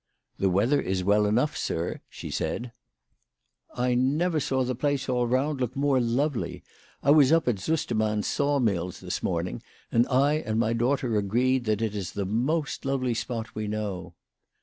" The weather is well enough, sir," she said. 62 WHY FRAU FROHMANN RAISED HER PRICES. " I never saw the place all round look more lovely. I was up at Sustermann's saw mills this morning, and I and my daughter agreed that it is the most lovely spot we know."